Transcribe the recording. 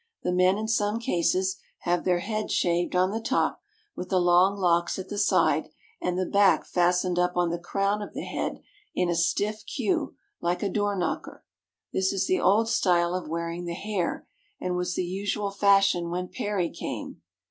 The men in some cases have their heads shaved on the top, with the long locks at the side and the back fastened up on the crown of the head in a stiff queue like a door knocker. This is the old style of wearing the hair, and was the usual fashion when Perry came.